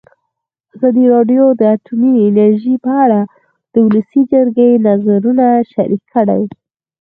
ازادي راډیو د اټومي انرژي په اړه د ولسي جرګې نظرونه شریک کړي.